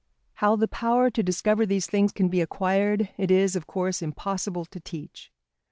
How the power to discover these things can be acquired, it is, of course, impossible to teach.